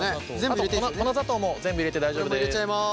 あと粉砂糖も全部入れて大丈夫です。